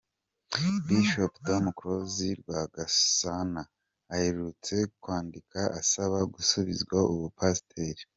Bishop Tom Rwagasana aherutse kwandika asaba gusubizwa Ubupasiteri.